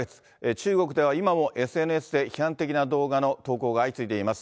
中国では今もＳＮＳで批判的な動画の投稿が相次いでいます。